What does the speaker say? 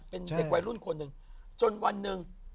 เป็นเด็กวัยรุ่นคนนึง